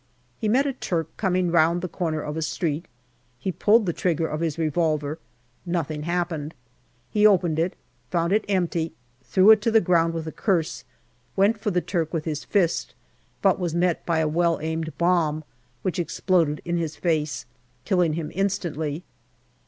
He met a Turk coming round the corner of a street ; he pulled the trigger of his revolver : nothing happened. He opened it, found it empty, threw it to the ground with a curse, went for the Turk with his fist, but was met by a well aimed bomb, which exploded in his face, killing him instantly.